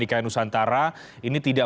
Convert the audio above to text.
di kainusantara ini tidak